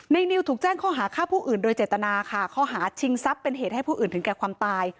นิวถูกแจ้งข้อหาฆ่าผู้อื่นโดยเจตนาค่ะข้อหาชิงทรัพย์เป็นเหตุให้ผู้อื่นถึงแก่ความตาย